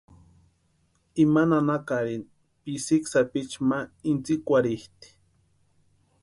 Ima nanakarini pisiki sapichu ma intsïkwarhitʼi.